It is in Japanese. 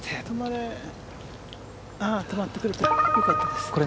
止まってくれてよかったです。